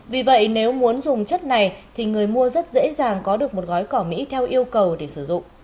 vì vậy nếu muốn dùng chất này thì người mua rất dễ dàng có được một gói cỏ mỹ theo yêu cầu để sử dụng